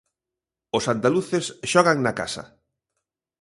Os andaluces xogan na casa.